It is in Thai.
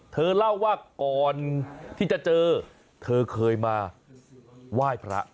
เธอเล่าว่าก่อนที่จะเจอเธอเคยมาไหว้พระ